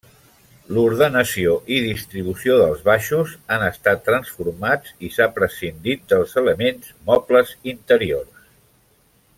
L'ordenació i distribució dels baixos han estat transformats i s'ha prescindit dels elements mobles interiors.